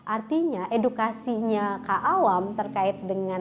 artinya edukasinya kak awam terkait dengan aktivitas dongeng ini terus menanggung